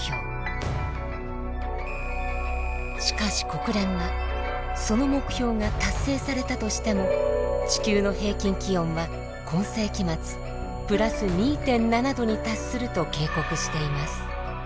しかし国連はその目標が達成されたとしても地球の平均気温は今世紀末＋２．７℃に達すると警告しています。